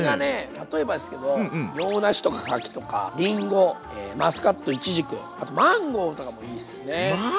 例えばですけど洋梨とか柿とかりんごマスカットいちじくあとマンゴーとかもいいですね。